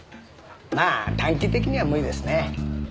まあ短期的には無理ですね。